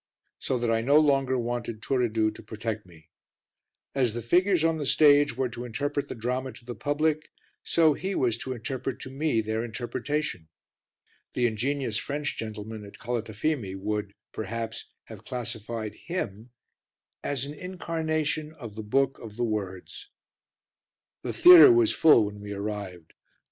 So that I no longer wanted Turiddu to protect me. As the figures on the stage were to interpret the drama to the public, so he was to interpret to me their interpretation. The ingenious French gentleman at Calatafimi would, perhaps, have classified him as an incarnation of the book of the words. The theatre was already full when we arrived.